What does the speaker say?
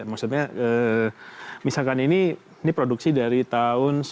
maksudnya misalkan ini produksi dari tahun sembilan puluh enam